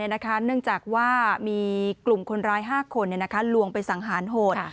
เนื่องจากว่ามีกลุ่มคนร้าย๕คนลวงไปสังหารโหด